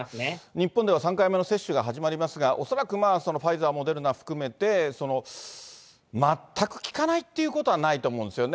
日本では、３回目の接種が始まりますが、恐らく、ファイザー、モデルナ含めて、全く効かないっていうことはないと思うんですよね。